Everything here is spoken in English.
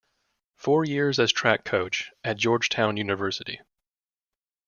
Four years as track coach at Georgetown University.